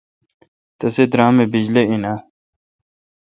تسے°دراماے° بجلی این آں،؟